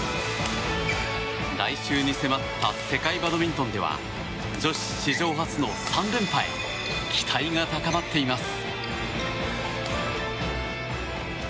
来週に迫った世界バドミントンでは女子史上初の３連覇へ期待が高まっています。